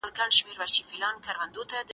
خپل اخلاقي حالت به تل کنټرولوئ.